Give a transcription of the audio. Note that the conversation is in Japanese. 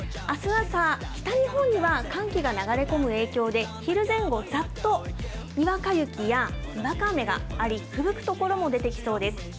あす朝、北日本には寒気が流れ込む影響で、昼前後、ざっとにわか雪やにわか雨があり、ふぶく所も出てきそうです。